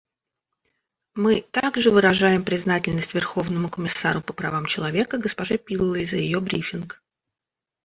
Мы также выражаем признательность Верховному комиссару по правам человека госпоже Пиллэй за ее брифинг.